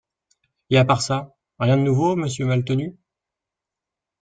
Et à part ça… rien de nouveau, Monsieur Maltenu ?